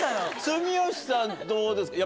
住吉さんどうですか？